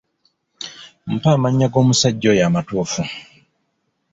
Mpa amannya g'omusajja oyo amatuufu.